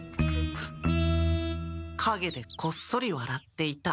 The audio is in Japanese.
かげでこっそり笑っていた。